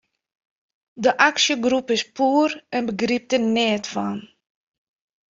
De aksjegroep is poer en begrypt der neat fan.